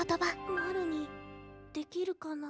マルにできるかな？